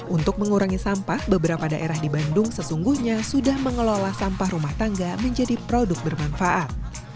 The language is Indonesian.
untuk mengurangi sampah beberapa daerah di bandung sesungguhnya sudah mengelola sampah rumah tangga menjadi produk bermanfaat